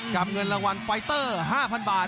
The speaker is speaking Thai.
เงินรางวัลไฟเตอร์๕๐๐บาท